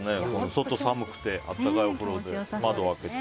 外寒くてあったかいお風呂で窓を開けて。